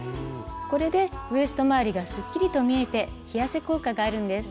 これでウエスト回りがすっきりと見えて着痩せ効果があるんです。